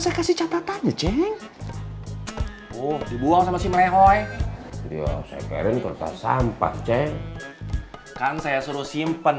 saya kasih catatannya ceng oh dibuang sama si melehoi ya saya keren kertas sampah ceng kan saya suruh simpen